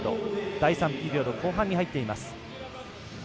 第３ピリオド後半に入っています。